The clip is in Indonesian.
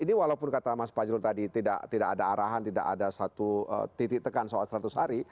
ini walaupun kata mas fajrul tadi tidak ada arahan tidak ada satu titik tekan soal seratus hari